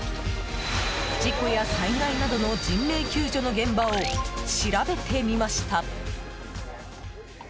事故や災害などの人命救助の現場を調べてみました。